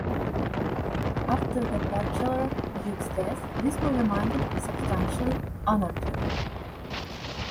After the bachelor Duke's death, Lismore remained substantially unaltered.